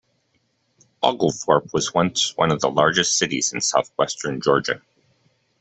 Oglethorpe was once one of the largest cities in southwestern Georgia.